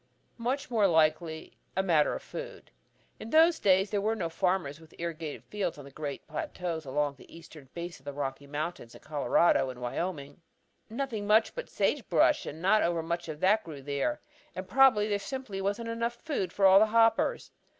Much more likely a matter of food. In those days there were no farmers with irrigated fields on the great plateaus along the eastern base of the Rocky Mountains in Colorado and Wyoming. Nothing much but sage brush and not overmuch of that grew there. And probably there simply wasn't enough food for all the hoppers.